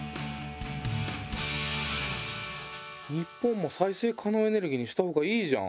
日本も再生可能エネルギーにしたほうがいいじゃん！